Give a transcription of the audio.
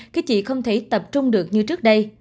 khi chị không thể tập trung được như trước đây